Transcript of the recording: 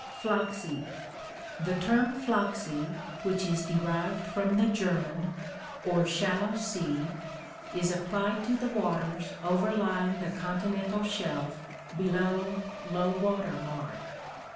Flachsee. — The term Flachsee (which is derived from the Ger man) or shallow sea is applied to the waters overlying the con tinental shelf below low water mark.